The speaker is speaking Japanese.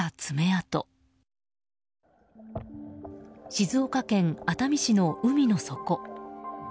静岡県熱海市の海の底。